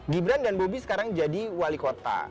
gibran dan bobi sekarang jadi wali kota